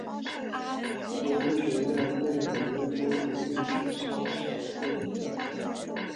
罗伯特学院被纽约州独立学校协会认证。